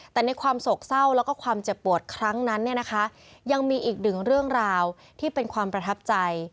แต่ในความโศกเศร้าแล้วก็ความเจ็บปวดครั้งนั้นเนี่ยนะคะยังมีอีกหนึ่งเรื่องราวที่เป็นความประทับใจ